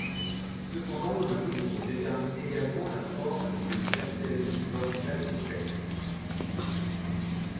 Cependant, le nombre détermine également la forme de certaines orbitales complexes.